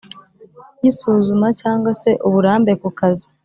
y’isuzuma cyangwa se uburambe ku kazi